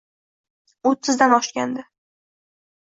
O`ttizdan oshgandi